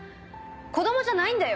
子どもじゃないんだよ！